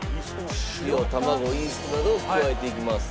塩卵イーストなどを加えていきます。